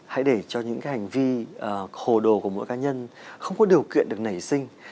hãy để cho những cái hành vi hồ đồ của mỗi cá nhân không có điều kiện được nảy sinh